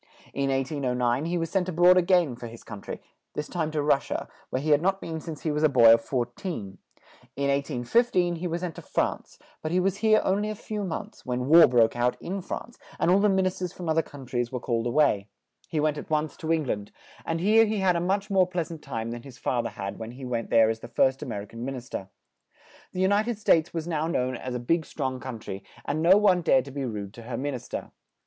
In 1809 he was sent a broad a gain for his coun try; this time to Rus sia, where he had not been since he was a boy of four teen; in 1815 he was sent to France, but he was here on ly a few months, when war broke out in France, and all the min is ters from oth er coun tries were called a way; he went at once to Eng land, and here he had a much more pleasant time than his father had when he went there as the first Amer i can min is ter; the U nit ed States was now known as a big strong coun try, and no one dared to be rude to her min is ter.